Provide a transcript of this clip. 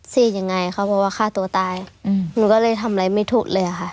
เสียดยังไงเขาบอกว่าฆ่าตัวตายหนูก็เลยทำอะไรไม่ถูกเลยค่ะ